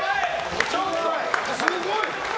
すごい！